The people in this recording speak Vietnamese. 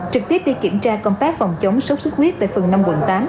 trực tiếp đi kiểm tra công tác phòng chống sốt xuất huyết tại phường năm quận tám